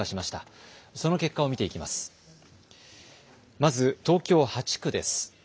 まず東京８区です。